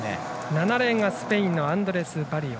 ７レーンがスペインのアンドレスバリオ。